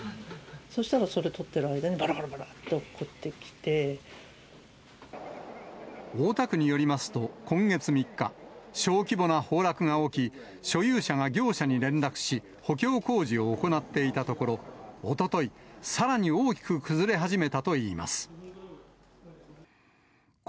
そしたらそれ撮ってる間に、大田区によりますと、今月３日、小規模な崩落が起き、所有者が業者に連絡し、補強工事を行っていたところ、おととい、さらに大きく崩れ始めたといいます。